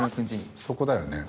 そこだよね。